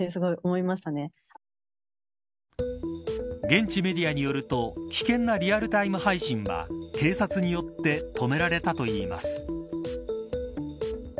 現地メディアによると危険なリアルタイム配信は警察によって止められたといいます。